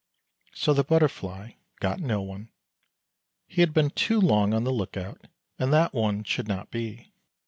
" So the Butterfly got no one. He had been too long on the look out, and that one should not be.